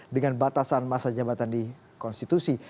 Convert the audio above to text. dengan batasan masa jabatan di konstitusi